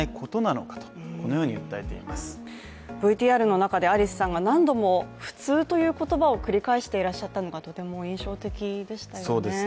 ＶＴＲの中で、ありすさんが何度も普通という言葉を繰り返していらっしゃったのがとても印象的でしたよね。